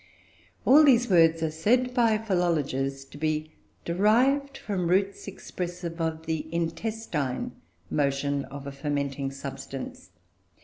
All these words are said by philologers to be derived from roots expressive of the intestine motion of a fermenting substance.